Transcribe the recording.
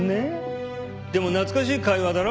でも懐かしい会話だろ？